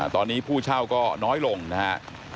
ตอนนี้ผู้เช่าก็น้อยลงนะครับ